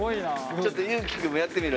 ちょっとユーキくんもやってみる？